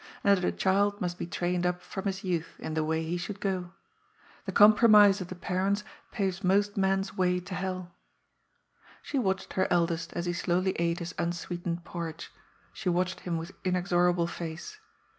And a child must be trained up from his youth in the way he should go. The compromise of the parents paves most men's way to hell. She watched her eldest as he slowly ate his unsweetened porridge, she watched him with inexorable face.